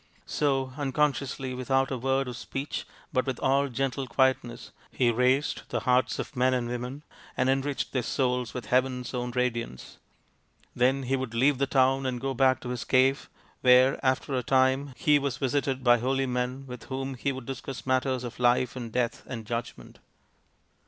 So, unconsciously, without a word of speech but with all gentle quietness, he raised the hearts of men and women, and enriched their souls with heaven's own radiance. Then he would leave the town and go back to his cave, where, after a time, he was visited by holy men with whom he would discuss matters of life and death and judgment.